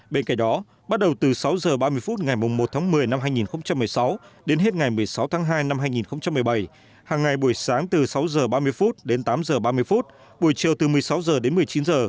sáu h ba mươi ngày một tháng một mươi năm hai nghìn một mươi sáu đến hết ngày một mươi sáu tháng hai năm hai nghìn một mươi bảy hàng ngày buổi sáng từ sáu h ba mươi đến tám h ba mươi buổi trưa từ một mươi sáu h đến một mươi chín h